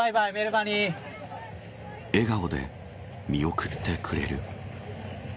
笑顔で見送ってくれる。